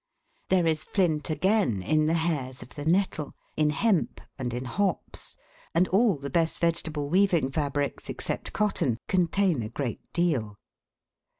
There is flint again in the hairs of the nettle, in hemp, and in hops, and all the best vegetable weaving fabrics, except cotton, contain a great deal.